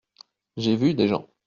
J'ai vu des gens.